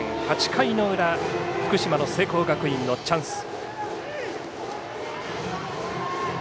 ８回の裏、福島の聖光学院のチャンス。